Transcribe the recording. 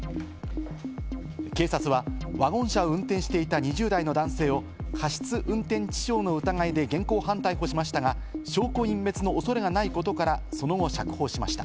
警察はワゴン車を運転していた２０代の男性を過失運転致傷の疑いで現行犯逮捕しましたが、証拠隠滅の恐れがないことから、その後、釈放しました。